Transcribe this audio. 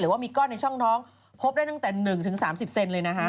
ว่ามีก้อนในช่องท้องพบได้ตั้งแต่๑๓๐เซนเลยนะฮะ